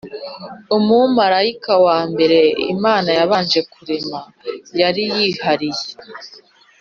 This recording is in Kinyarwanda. umumarayika wa mbere imana yabanje kurema yari yihariye.